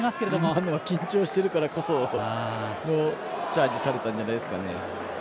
今のは緊張してるからこそチャージされたんじゃないでしょうかね。